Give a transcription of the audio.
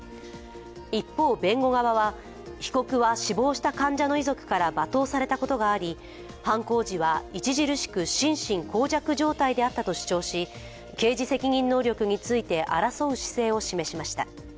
一方、弁護側は、被告は死亡した患者の遺族から罵倒されたことがあり、犯行時は著しく心神耗弱状態であったと主張し刑事責任能力について争う姿勢を示しました。